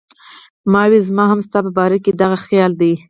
ما وې زما هم ستا پۀ باره کښې دغه خيال دی